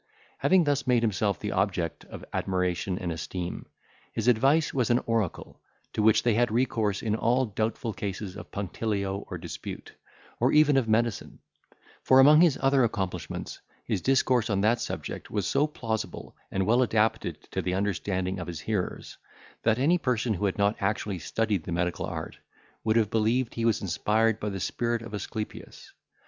Having thus made himself the object of admiration and esteem, his advice was an oracle, to which they had recourse in all doubtful cases of punctilio or dispute, or even of medicine; for among his other accomplishments, his discourse on that subject was so plausible, and well adapted to the understanding of his hearers, that any person who had not actually studied the medical art would have believed he was inspired by the spirit of Aesculapius.